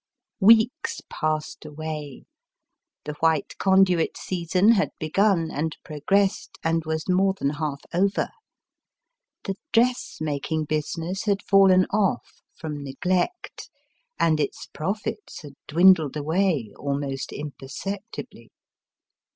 Weeks passed away ; the White Conduit season had begun, and progressed, and was more than half over. The dressmaking business had fallen off, from neglect ; and its profits had dwindled away almost imperceptibly.